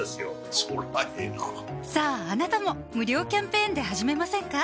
そりゃええなさぁあなたも無料キャンペーンで始めませんか？